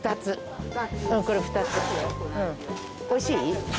おいしい？